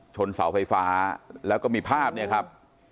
เสาไฟฟ้าแล้วก็มีภาพเนี่ยครับ